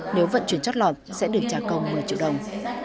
nếu vận chuyển chót lọt sẽ được trả công một mươi triệu đồng